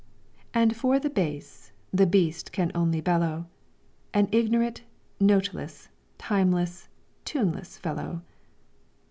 "And for the bass, the beast can only bellow; An Ignorant, noteless, timeless, tuneless fellow."